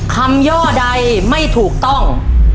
ย่อใดไม่ถูกต้อง